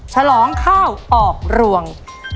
ฉลองข้าวออกรวง